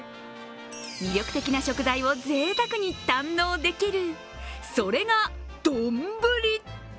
魅力的な食材をぜいたくに堪能できる、それがどんぶり。